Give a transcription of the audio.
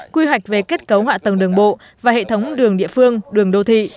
quy hoạch về kết cấu hạ tầng đường bộ và hệ thống đường địa phương đường đô thị